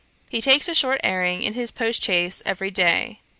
He takes a short airing in his post chaise every day.